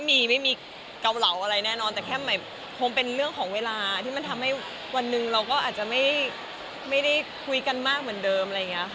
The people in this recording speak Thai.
ไม่มีเกาเหล่าใส่แล้วแต่ก็มันเป็นความเรื่องของเวลาที่ทำให้อันนึงอาจจะไม่พูดกันแบบเดิม